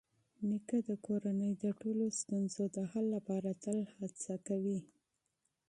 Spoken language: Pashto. نیکه د کورنۍ د ټولو ستونزو د حل لپاره تل هڅه کوي.